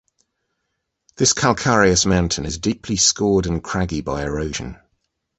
This calcareous mountain is deeply scored and craggy by erosion.